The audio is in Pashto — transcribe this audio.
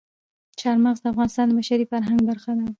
چار مغز د افغانستان د بشري فرهنګ برخه ده.